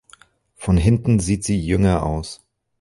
Von hinten sieht sie jünger aus.